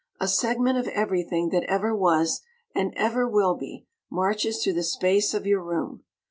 A segment of Everything that ever was and ever will be marches through the Space of your room.